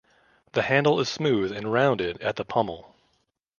The handle is smooth and rounded at the pommel.